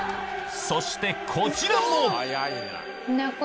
そしてこちらも！